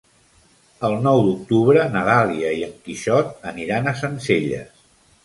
El nou d'octubre na Dàlia i en Quixot aniran a Sencelles.